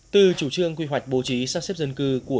từ chủ trương quy hoạch bố trí sắp xếp dân cư của